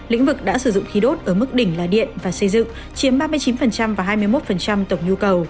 lĩnh vực đã sử dụng khí đốt ở mức đỉnh là điện và xây dựng chiếm ba mươi chín và hai mươi một tổng nhu cầu